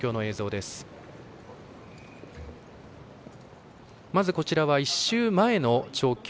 まず、こちらは１週前の調教。